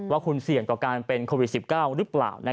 ว่าคุณเสี่ยงต่อการเป็นโควิด๑๙หรือเปล่า